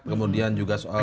kemudian juga soal